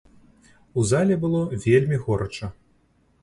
У зале было вельмі горача.